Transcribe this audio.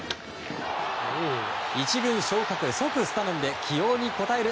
１軍昇格、即スタメンで起用に応える